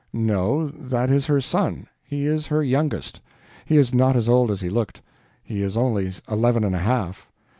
"No, that is her son. He is her youngest. He is not as old as he looked; he is only eleven and a half."